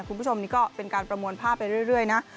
คุณผู้ชมนี่ก็เป็นการประมวลภาพไปเรื่อยนะ